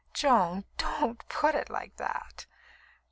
"Joan! Don't put it like that!"